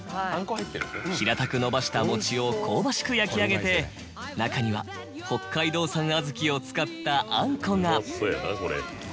平たくのばした餅を香ばしく焼き上げて中には北海道産小豆を使ったあんこが。